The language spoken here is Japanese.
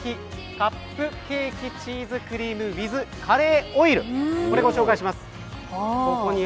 カップケーキ×チーズクリームｗｉｔｈカレーオイルをご紹介します。